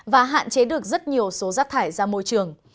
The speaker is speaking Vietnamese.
và hạn chế được rất nhiều số rác thải ra môi trường